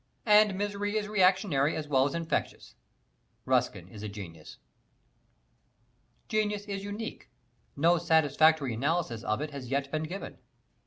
And misery is reactionary as well as infectious. Ruskin is a genius. Genius is unique. No satisfactory analysis of it has yet been given.